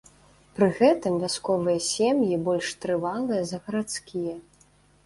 Пры гэтым вясковыя сем'і больш трывалыя за гарадскія.